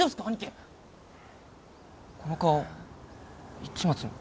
この顔市松の。